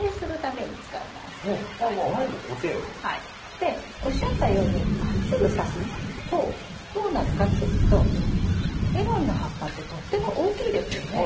でおっしゃったようにまっすぐさすとどうなるかっていうとメロンの葉っぱってとっても大きいですよね。